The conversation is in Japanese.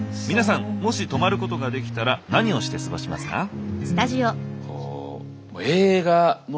皆さんもし泊まることができたら何をして過ごしますか？